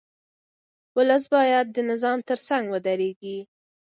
ولس باید د نظام ترڅنګ ودرېږي.